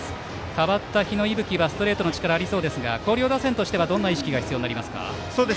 代わった日野勇吹はストレートの力がありそうですが広陵打線としてはどんな意識が必要になりますか。